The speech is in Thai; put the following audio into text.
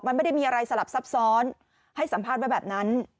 มันไม่ได้มีอะไรสลับซับซ้อนให้สัมภาษณ์ไว้แบบนั้น